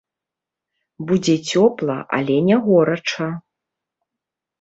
Будзе цёпла, але не горача.